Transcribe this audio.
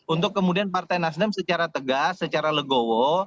untuk kemudian partai nasdem secara tegas secara legowo